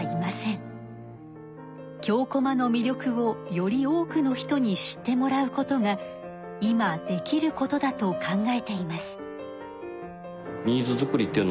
京こまのみりょくをより多くの人に知ってもらうことが今できることだと考えています。